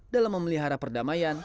dalam memelihara perdamaian